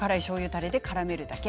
だれでからめるだけ。